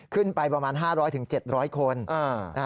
ขึ้นไปประมาณ๕๐๐๗๐๐คน